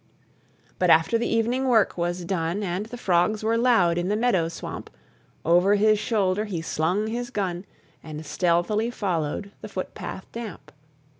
But after the evening work was done, And the frogs were loud in the meadow swamp, Over his shoulder he slung his gun, And stealthily followed the footpath damp.